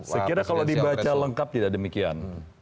sekiranya kalau dibaca lengkap tidak demikian